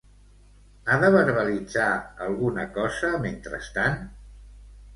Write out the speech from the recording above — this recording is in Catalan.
Ha de verbalitzar alguna cosa mentrestant?